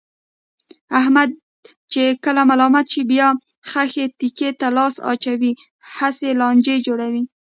احمد چې کله ملامت شي، بیا خښې تیګې ته لاس اچوي، هسې لانجې جوړوي.